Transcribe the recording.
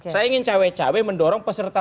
saya ingin cawe cawe mendorong peserta